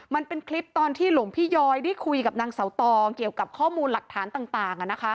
มันเป็นคลิปตอนที่หลวงพี่ยอยได้คุยกับนางเสาตองเกี่ยวกับข้อมูลหลักฐานต่าง